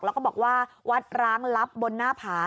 แล้วก็บอกว่าวัดร้างลับบนหน้าผา